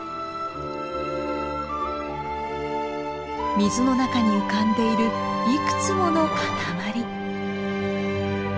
水の中に浮かんでいるいくつもの塊。